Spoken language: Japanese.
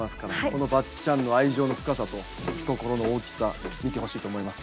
このばっちゃんの愛情の深さと懐の大きさ見てほしいと思います。